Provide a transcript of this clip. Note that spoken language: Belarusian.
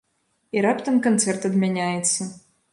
І раптам канцэрт адмяняецца.